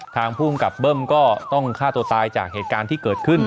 ภูมิกับเบิ้มก็ต้องฆ่าตัวตายจากเหตุการณ์ที่เกิดขึ้น